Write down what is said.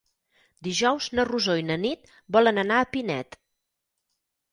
Dijous na Rosó i na Nit volen anar a Pinet.